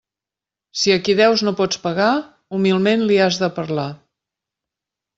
Si a qui deus no pots pagar, humilment li has de parlar.